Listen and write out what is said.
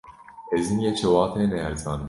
Êzingê şewatê ne erzan e.